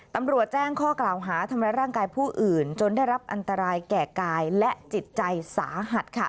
ตำรวจแจ้งข้อกล่าวหาทำร้ายร่างกายผู้อื่นจนได้รับอันตรายแก่กายและจิตใจสาหัสค่ะ